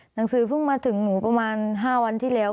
หนังสือเพิ่งมาถึงหนูประมาณ๕วันที่แล้ว